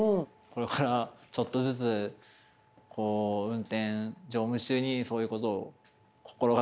これからちょっとずつ運転乗務中にそういうことを心がけていきたい。